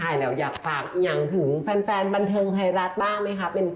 อยากฝากอย่างถึงแฟนบันเทิงไทยรัฐบ้างไหมครับ